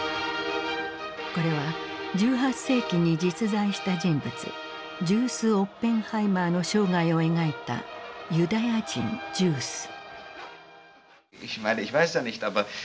これは１８世紀に実在した人物ジュース・オッペンハイマーの生涯を描いた「ユダヤ人ジュース」。